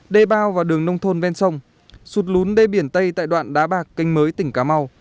đề bao và đường nông thôn ven sông sụt lún đê biển tây tại đoạn đá bạc canh mới tỉnh cà mau